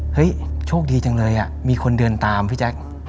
โชคดีจังเลยมีคนเดินตามพี่แจ๊ค